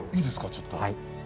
ちょっと。